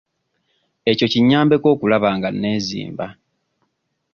Ekyo kinnyambyeko okulaba nga neezimba.